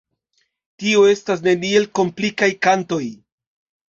Tio estas neniel komplikaj kantoj.